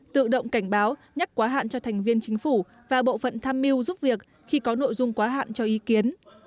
tự động cảnh báo nhắc quá hạn cho thành viên chính phủ và bộ phận tham mưu giúp việc khi có nội dung quá hạn cho ý kiến